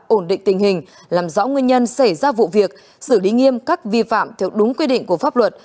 ổn định tình hình làm rõ nguyên nhân xảy ra vụ việc xử lý nghiêm các vi phạm theo đúng quy định của pháp luật